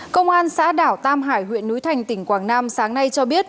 công an xã đảo tam hải huyện núi thành tỉnh quảng nam sáng nay cho biết